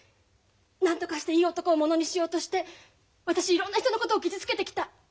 なんとかしていい男をものにしようとして私いろんな人のことを傷つけてきた。